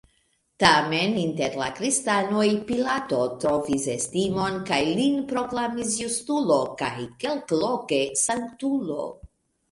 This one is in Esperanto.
Tamen, inter la kristanoj Pilato trovis estimon kaj lin proklamis justulo kaj, kelkloke, sanktulo.